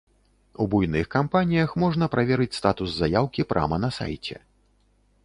У буйных кампаніях можна праверыць статус заяўкі прама на сайце.